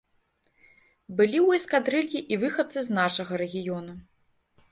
Былі ў эскадрыллі і выхадцы з нашага рэгіёну.